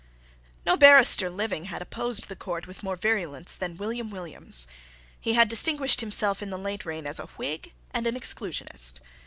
No barrister living had opposed the court with more virulence than William Williams. He had distinguished himself in the late reign as a Whig and an Exclusionist.